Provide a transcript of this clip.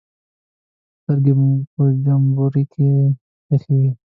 سترګې به مو په جمبوري کې ښخې وې.